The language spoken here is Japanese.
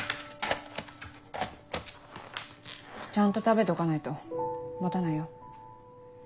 ちゃんと食べとかないと持たないよ。